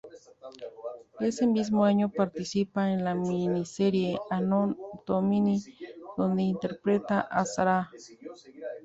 Ese mismo año participa en la miniserie "Anno Domini" donde interpreta a Sarah.